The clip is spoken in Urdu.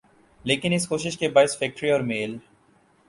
لیکن اس کوشش کے باعث فیکٹری اور میل